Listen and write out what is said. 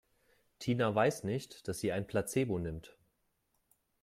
Tina weiß nicht, dass sie ein Placebo nimmt.